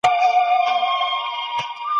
مړ دي د چا يار پر ځواني نسي عالمه